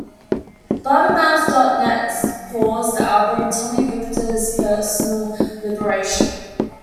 Blabbermouth dot net calls the album Tommy Victor's personal liberation.